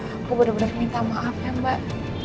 aku bener bener minta maaf ya mbak